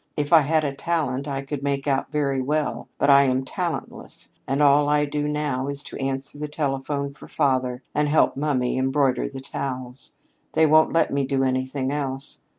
If I had a talent I could make out very well, but I am talentless, and all I do now is to answer the telephone for father and help mummy embroider the towels. They won't let me do anything else.